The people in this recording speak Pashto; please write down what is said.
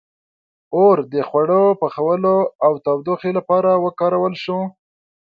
• اور د خوړو پخولو او تودوخې لپاره وکارول شو.